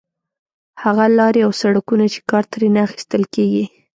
هغه لارې او سړکونه چې کار ترې نه اخیستل کېږي.